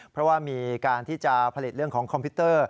เพราะว่ามีการที่จะผลิตเรื่องของคอมพิวเตอร์